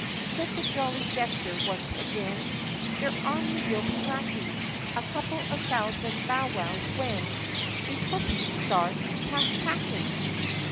Said the jolly jester once again, "Their army will be lacking A couple of thousand bowwows when We pussies start cattacking!"